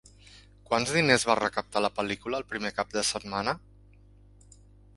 Quants diners va recaptar la pel·lícula el primer cap de setmana?